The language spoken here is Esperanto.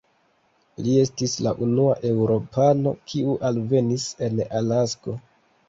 Li estis la unua eŭropano, kiu alvenis en Alasko.